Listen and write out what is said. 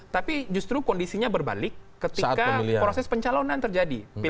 tapi justru kondisinya berbalik ketika proses pencalonan terjadi